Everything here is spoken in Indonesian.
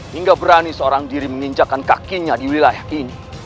hingga berani seorang diri menginjakan kakinya di wilayah ini